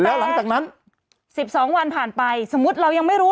แล้วหลังจากนั้น๑๒วันผ่านไปสมมุติเรายังไม่รู้